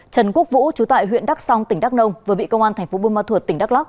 trần quốc vũ chú tại huyện đắc song tỉnh đắc nông vừa bị công an tp bun ma thuật tỉnh đắc lóc